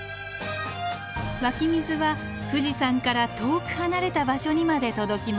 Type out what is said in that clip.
湧き水は富士山から遠く離れた場所にまで届きます。